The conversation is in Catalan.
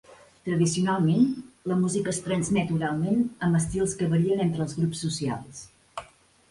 Tradicionalment, la música es transmet oralment amb estils que varien entre els grups socials.